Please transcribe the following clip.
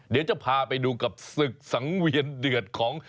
เดี๋ยวจะพาไปดูกับศึกสังเวียนเดือดของ